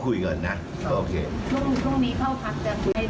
พรุ่งนี้เข้าพลักษณ์จะคุยให้ดี